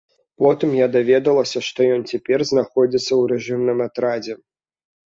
Потым я даведалася, што ён цяпер знаходзіцца ў рэжымным атрадзе.